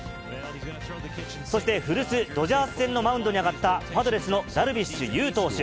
そして古巣、ドジャース戦のマウンドに上がった、パドレスのダルビッシュ有投手。